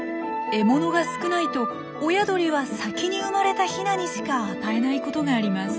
獲物が少ないと親鳥は先に生まれたヒナにしか与えないことがあります。